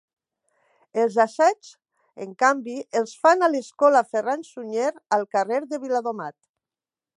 Els assaigs, en canvi, els fan a l'escola Ferran Sunyer, al carrer de Viladomat.